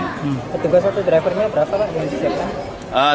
petugas satu drivernya berapa pak yang disiapkan